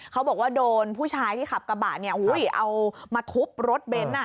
เขาบอกว่าโดนผู้ชายที่ขับกระบะเนี่ยเอามาทุบรถเบนท์